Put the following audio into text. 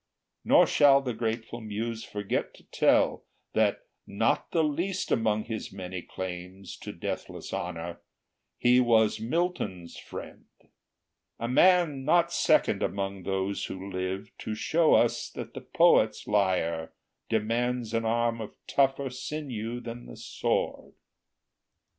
Nor shall the grateful Muse forget to tell, That not the least among his many claims To deathless honor he was Milton's friend, A man not second among those who lived To show us that the poet's lyre demands An arm of tougher sinew than the sword.